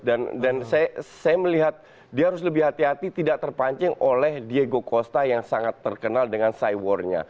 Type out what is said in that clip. dan saya melihat dia harus lebih hati hati tidak terpancing oleh diego costa yang sangat terkenal dengan side war nya